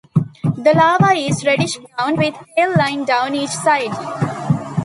The larva is reddish brown with a pale line down each side.